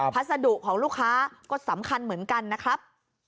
พัสดุของลูกค้าก็สำคัญเหมือนกันนะครับ